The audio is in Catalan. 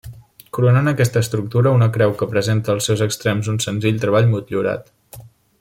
Coronant aquesta estructura una creu que presenta els seus extrems un senzill treball motllurat.